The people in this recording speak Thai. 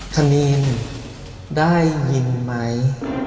ทะนีนได้ยินไหม